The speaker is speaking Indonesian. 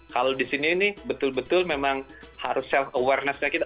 kalau di sini nih betul betul memang harus self awareness